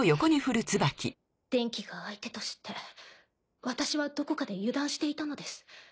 デンキが相手と知って私はどこかで油断していたのです。